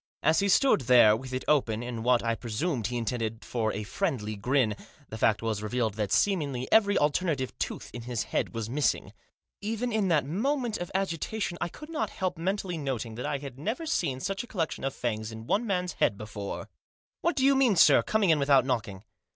As he stood there with it open, in what I presume he intended for a friendly grin, the fact was revealed that seemingly every alternate tooth in his head was missing. Even in that moment of agitation I could not help mentally noting that I had never seen such a collection of fangs in one man's head before. Digitized by LUKE. 201 "What do you mean, sir, coming in without knocking